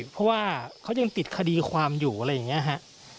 เพราะว่าเขายังติดคดีความอยู่อะไรอย่างนี้ฮะ